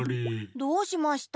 どうしました？